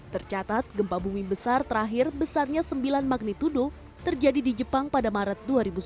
tercatat gempa bumi besar terakhir besarnya sembilan magnitudo terjadi di jepang pada maret dua ribu sembilan